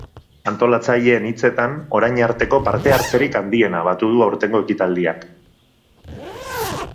Antolatzaileen hitzetan, orain arteko parte hartzerik handiena batu du aurtengo ekitaldiak.